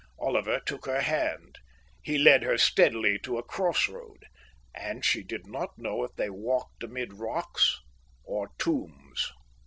Oliver took her hand. He led her steadily to a cross road, and she did not know if they walked amid rocks or tombs.